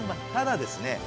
ただですね。